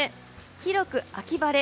広く秋晴れ。